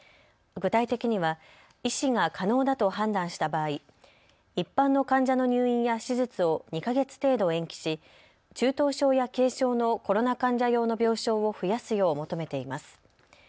具体的には医師が可能だと判断した場合一般の患者の入院や手術を２か月程度延期し中等症や軽症のコロナ患者用の病床を増やすよう求めています。